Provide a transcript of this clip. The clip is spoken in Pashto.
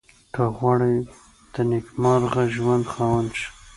که غواړئ د نېکمرغه ژوند خاوند شئ.